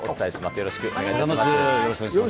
よろしくお願いします。